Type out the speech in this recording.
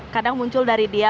kadang muncul dari dia